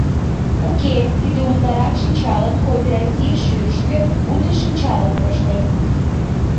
Уке, тиде утларак шинчалан, кооператив шӱрышкӧ уто шинчалым пыштен.